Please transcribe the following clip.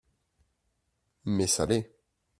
Mais ça l’est